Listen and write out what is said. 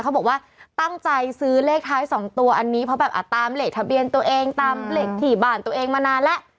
เขาบอกว่าตั้งใจซื้อเลขท้าย๒ตัวอันนี้เพราะแบบตามเลขทะเบียนตัวเองตามเหล็กถี่บ้านตัวเองมานานแล้ว